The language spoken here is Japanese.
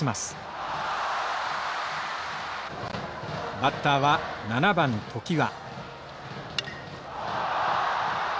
バッターは７番常盤。